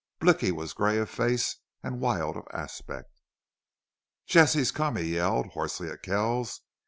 Blicky was gray of face and wild of aspect. "Jesse's come!" he yelled, hoarsely, at Kells.